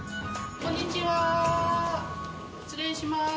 こんにちは失礼します。